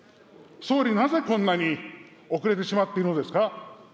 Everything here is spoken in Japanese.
総理、なぜこんなに遅れてしまっているのですか。